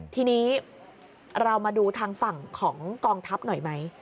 ทีนี้เรามาดูทางฝั่งของกองทัพหน่อยไหม